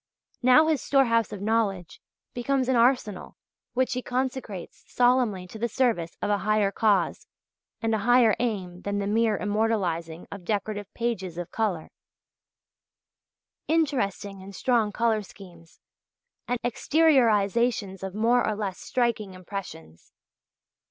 Now his storehouse of knowledge becomes an arsenal which he consecrates solemnly to the service of a higher cause and a higher aim than the mere immortalizing of "decorative pages of colour" "interesting and strong colour schemes" and "exteriorisations of more or less striking impressions."